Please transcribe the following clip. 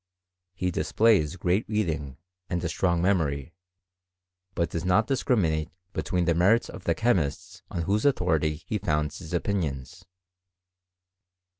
He displays great read I I HISTOKT or CBEMtBTHT. ing, and a stron| memory ; but does not discriminEtte between the merits of the chemists on whose authority he founds his opinions.